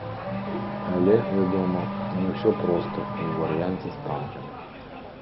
Але, вядома, не ўсё проста і ў варыянце з танкамі.